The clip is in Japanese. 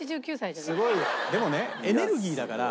でもねエネルギーだから。